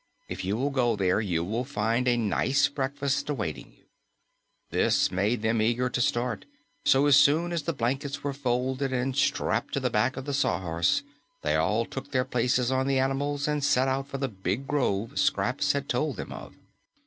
If you will go there, you will find a nice breakfast awaiting you." This made them eager to start, so as soon as the blankets were folded and strapped to the back of the Sawhorse, they all took their places on the animals and set out for the big grove Scraps had told them of.